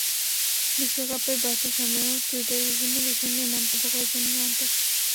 বিশ্বকাপের ব্যস্ত সময়েও টুইটারে বিভিন্ন বিষয় নিয়ে মন্তব্য করে যান নিরন্তর।